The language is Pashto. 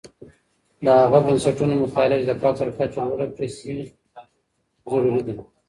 د هغه بنسټونو مطالعه چې د فقر کچه لوړه کړې سي، ضروری ده.